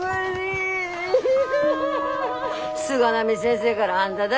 菅波先生がらあんだだ